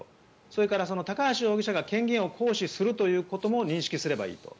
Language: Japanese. それから、高橋容疑者が権限を行使するということも認識すればいいと。